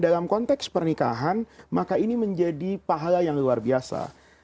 dalam konteks pernikahan maka ini menjadi pahala yang luar biasa